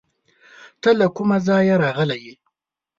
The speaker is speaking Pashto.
ته له کوم ځایه راغلی یې؟